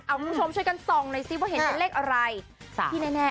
เอาคุณผู้ชมช่วยกันส่องหน่อยซิว่าเห็นเป็นเลขไหน